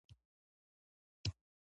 پروټین د عضلاتو په جوړولو کې مرسته کوي